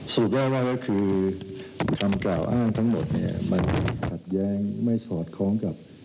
แรกก็คือคำกล่าวอ้างทั้งหมดเนี่ยมันขัดแย้งไม่สอดคล้องกับ